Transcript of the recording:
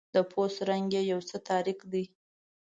د پوست رنګ یې یو څه تاریک دی.